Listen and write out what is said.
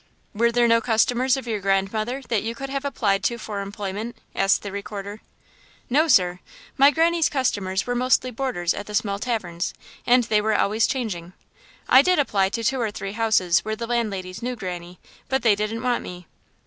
"Were there no customers of your grandmother that you could have applied to for employment?" asked the Recorder. "No, sir. My Granny's customers were mostly boarders at the small taverns, and they were always changing. I did apply to two or three houses where the landladies knew Granny; but they didn't want me."